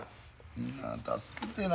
助けてな。